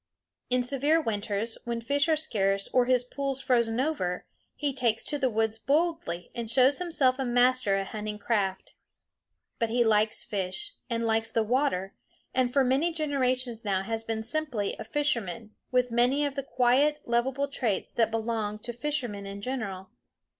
In severe winters, when fish are scarce or his pools frozen over, he takes to the woods boldly and shows himself a master at hunting craft. But he likes fish, and likes the water, and for many generations now has been simply a fisherman, with many of the quiet lovable traits that belong to fishermen in general.